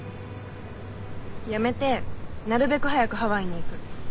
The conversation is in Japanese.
やめてなるべく早くハワイに行く。